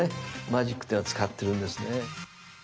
マジックっていうのは使ってるんですね。